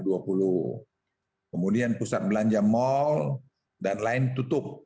kemudian pusat belanja mal dan lain tutup